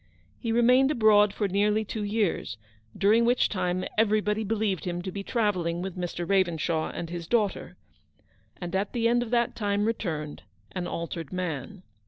He remained abroad for nearly two years ; during which time even body believed him to be travelling with Mr, Ravenshaw and his daughter, and at the end of that time returned ; an altered man.